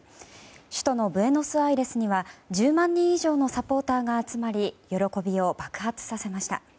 首都のブエノスアイレスには１０万人以上のサポーターが集まり喜びを爆発させました。